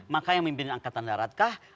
maka yang memimpin angkatan daratkah